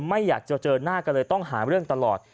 ไม่อยากจะเจอหน้ากันเลยต้องหาเรื่องตลอด